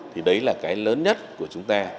thì đấy là cái lớn nhất của chúng ta